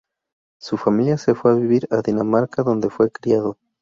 Su familia se fue a vivir a Dinamarca, donde fue criado.